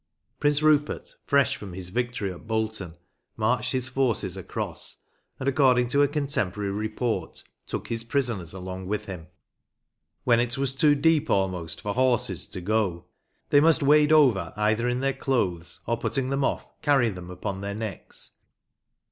Prince Rupert, fresh from his victory at Bolton, marched his forces across, and, according to a contemporary report, took his prisoners along with him, when it was too deep almost for horses to goe. They must wade over either in their cloathes or putting them off carry them upon their neckes.